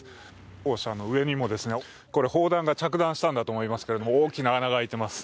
校舎の上にも砲弾が着弾したんだと思いますが、大きな穴が開いています。